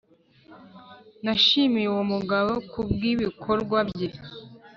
nashimiye uwo mugabo kubwibikorwa bye